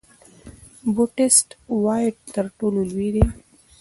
د بوټس وایډ تر ټولو لوی دی.